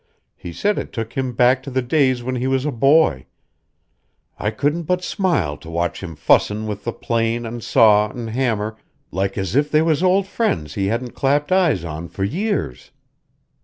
He said it took him back to the days when he was a boy. I couldn't but smile to watch him fussin' with the plane an' saw an' hammer like as if they was old friends he hadn't clapped eyes on for years."